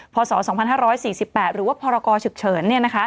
พศ๒๕๔๘หรือว่าพรกรฉุกเฉิน